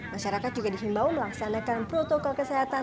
masyarakat juga dihimbau melaksanakan protokol kesehatan